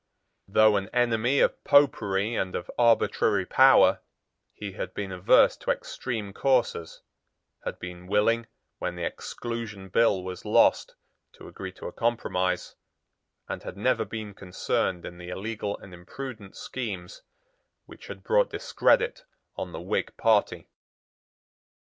Though an enemy of Popery and of arbitrary power, he had been averse to extreme courses, had been willing, when the Exclusion Bill was lost, to agree to a compromise, and had never been concerned in the illegal and imprudent schemes which had brought discredit on the Whig party.